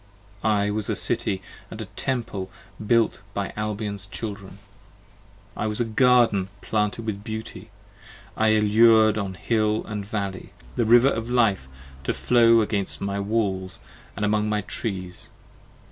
I was a City & a Temple built by Albion's Children! I was a Garden planted with beauty, I allured on hill & valley The River of Life to flow against my walls & among my trees.